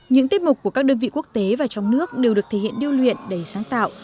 những tiết mục của các đơn vị quốc tế và trong nước đều được thể hiện điêu luyện đầy sáng tạo